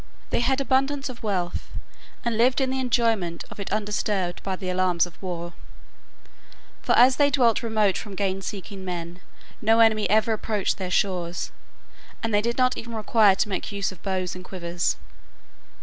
They had abundance of wealth and lived in the enjoyment of it undisturbed by the alarms of war, for as they dwelt remote from gain seeking man, no enemy ever approached their shores, and they did not even require to make use of bows and quivers.